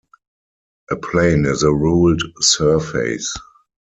A plane is a ruled surface.